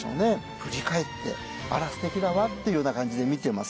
振り返って「あら素敵だわ」っていうような感じで見てます。